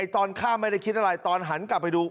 ตอนข้ามไม่ได้คิดอะไรตอนหันกลับไปดู